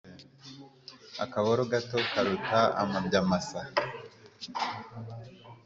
Akaboro, gato karuta amabya masa.